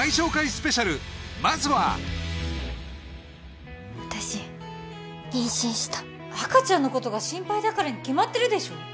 スペシャルまずは私妊娠した赤ちゃんのことが心配だからに決まってるでしょ